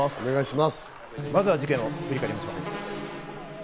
まずは事件を振り返りましょう。